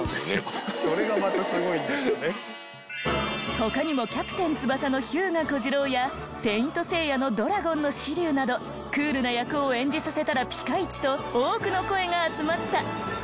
他にも『キャプテン翼』の日向小次郎や『聖闘士星矢』の龍星座の紫龍などクールな役を演じさせたらピカイチと多くの声が集まった。